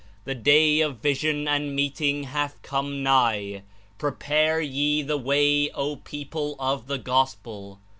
The day of vision and meeting hath come nigh. Prepare ye the way, O people of the Gospel